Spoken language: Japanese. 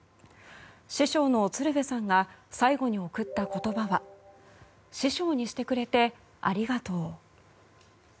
師匠の鶴瓶さんが最後に贈った言葉は師匠にしてくれてありがとう。